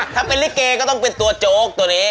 ถ้าเป็นลิเกก็ต้องเป็นตัวโจ๊กตัวนี้